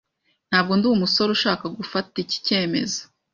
Ntabwo ndi umusore ushaka gufata iki cyemezo.